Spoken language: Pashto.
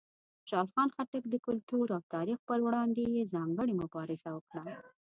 د خوشحال خان خټک د کلتور او تاریخ پر وړاندې یې ځانګړې مبارزه وکړه.